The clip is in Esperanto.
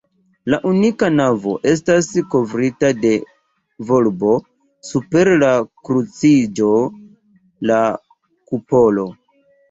La unika navo estas kovrita de volbo; super la kruciĝo, la kupolo.